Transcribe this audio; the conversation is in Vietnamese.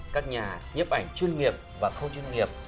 các nhà nhếp ảnh chuyên nghiệp và không chuyên nghiệp